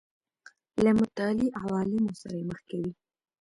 له متعالي عوالمو سره یې مخ کوي.